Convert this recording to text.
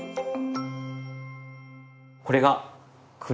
これが栗。